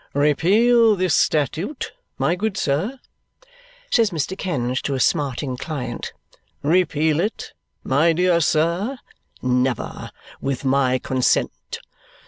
"Repeal this statute, my good sir?" says Mr. Kenge to a smarting client. "Repeal it, my dear sir? Never, with my consent.